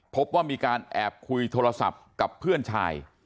พบว่ามีการแอบคุยโทรศัพท์กับเพื่อนชาย